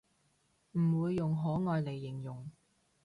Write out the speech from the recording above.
唔會用可愛嚟形容